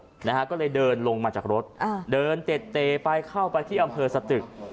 จะถึงบ้านกลวดนะเดินลงกันจากรถเดินเต็ดไปเข้าที่อำเธอสตรก